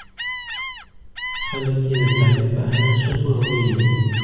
خلک یې د تعلیم په اهمیت ښه پوهولي دي.